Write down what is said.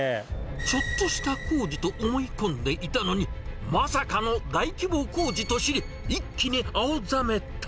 ちょっとした工事だと思い込んでいたのに、まさかの大規模工事と知り、一気に青ざめた。